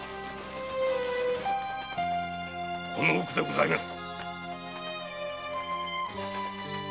この奥でございます。